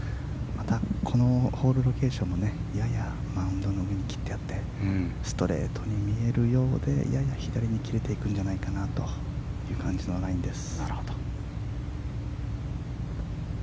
このホールロケーションもややマウンドの上に切ってあってストレートに見えるようでやや左に切れていくラインです。